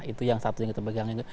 itu yang satu yang kita pegang